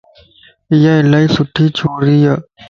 ايا الائي سھڻي ڇوريَ